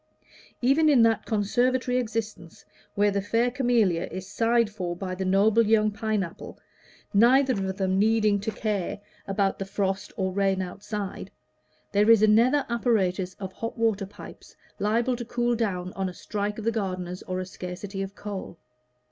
Even in that conservatory existence where the fair Camellia is sighed for by the noble young Pine apple, neither of them needing to care about the frost, or rain outside, there is a nether apparatus of hot water pipes liable to cool down on a strike of the gardeners or a scarcity of coal.